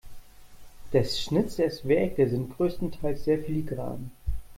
Des Schnitzers Werke sind größtenteils sehr filigran.